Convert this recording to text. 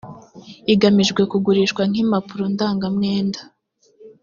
igamijwe kugurishwa nk impapuro ndangamwenda